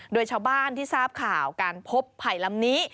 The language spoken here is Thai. โดยชาวบ้านที่ทราบข่าวการพบไผ่ลำนี้